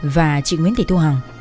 và chị nguyễn thị thu hằng